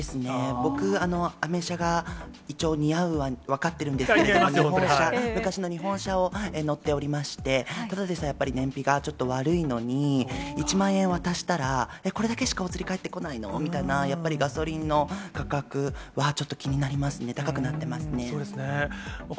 僕、アメ車が一応似合うのは分かってるんですけれども、日本車、昔の日本車を乗っておりまして、ただでさえ、やっぱり燃費がちょっと悪いのに、１万円渡したら、えっ、これだけしかお釣り返ってこないの？みたいな、やっぱりガソリンの価格はちょっと気になりますね、高くなってますね。